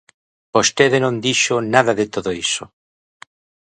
Vostede non dixo nada de todo iso.